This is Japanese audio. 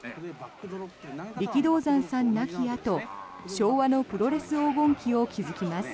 力道山さん亡きあと昭和のプロレス黄金期を築きます。